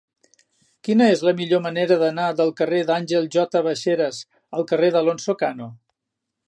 Quina és la millor manera d'anar del carrer d'Àngel J. Baixeras al carrer d'Alonso Cano?